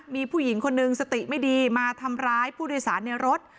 มีผู้หญิงคนนึงสติไม่ดีมาทำร้ายผู้โดยสารในรถ